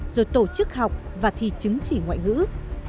rồi tổ chức học và thi chứng chỉ ngoại ngữ